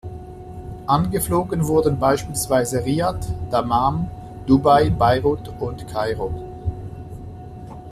Angeflogen wurden beispielsweise Riad, Dammam, Dubai, Beirut und Kairo.